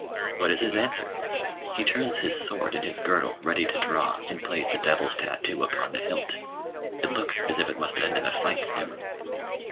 What is his answer? He turns his sword in his girdle ready to draw, and plays the devil's tattoo upon the hilt: it looks as if it must end in a fight soon.